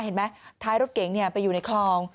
เห็นไหมท้ายรถเก๋งไปอยู่ในคลอง